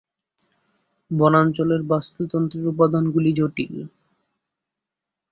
বনাঞ্চলের বাস্তুতন্ত্রের উপাদানগুলি জটিল।